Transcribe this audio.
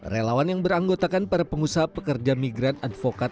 relawan yang beranggotakan para pengusaha pekerja migran advokat